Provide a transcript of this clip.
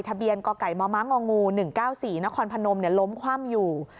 ทะเบียนกมงหนึ่งเก้าสี่นครพนมเนี่ยล้มคว่ำอยู่